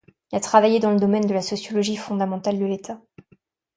Il a travaillé dans le domaine de la sociologie fondamentale de l'État.